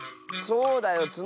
そうだよ。